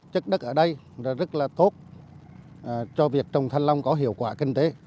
chất đất ở đây rất là tốt cho việc trồng thanh long có hiệu quả kinh tế